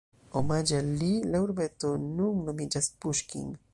Omaĝe al li la urbeto nun nomiĝas Puŝkin.